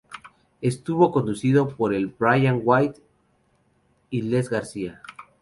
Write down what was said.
Estuvo conducido por el Brian White y Lees García.